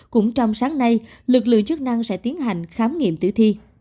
cũng trong sáng nay lực lượng chức năng sẽ tiến hành khám nghiệm tử thi